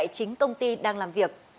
chính công ty đang làm việc